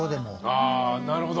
あなるほど。